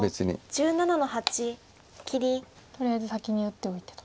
とりあえず先に打っておいてと。